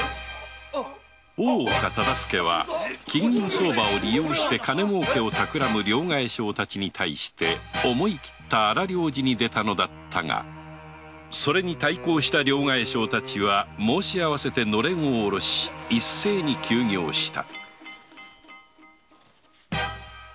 大岡忠相は金銀相場を利用して金もうけをたくらむ両替商たちに対して思い切った荒療治にでたのだったがそれに対抗した両替商たちは申し合わせてノレンをおろし一斉に休業した